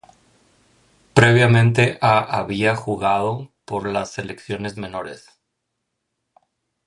Previamente ha había jugado por las selecciones menores.